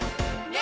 「ね！